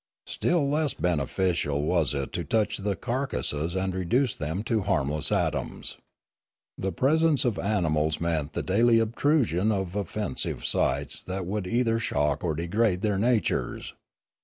Still less beneficial was it to touch the carcases and reduce them to harm less atoms. The presence of animals meant the daily obtrusion of offensive sights that would either shock or degrade their natures.